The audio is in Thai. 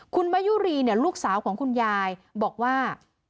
คุณมะยุรีเนี่ยลูกสาวของคุณยายบอกว่า